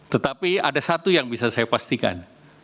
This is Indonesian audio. tetapi ada satu yang bisa saya pastikan